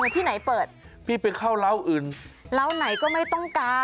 ที่ไหนเปิดพี่ไปเข้าเล้าอื่นเหล้าไหนก็ไม่ต้องการ